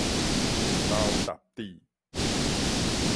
鼻流沓滴